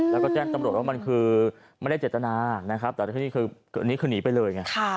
แล้วก็แจ้งตำรวจว่ามันคือไม่ได้เจตนาแต่ตอนนี้คือหนีไปเลย